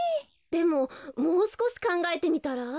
でももうすこしかんがえてみたら？